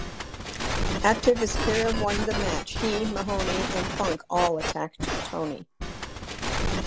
After Viscera won the match, he, Mahoney, and Funk all attacked Tony.